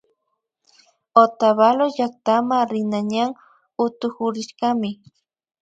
Otavalo llaktama rina ñan utukurishkami